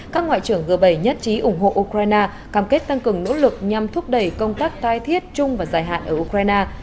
các ngoại trưởng g bảy nhất trí ủng hộ ukraine cam kết tăng cường nỗ lực nhằm thúc đẩy công tác tai thiết chung và dài hạn ở ukraine